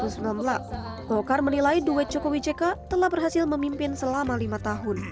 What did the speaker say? golkar menilai duet jokowi jk telah berhasil memimpin selama lima tahun